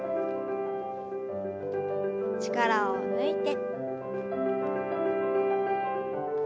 力を抜いて。